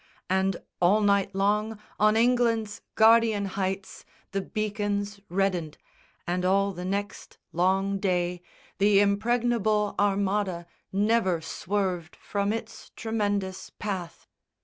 And all night long on England's guardian heights The beacons reddened, and all the next long day The impregnable Armada never swerved From its tremendous path.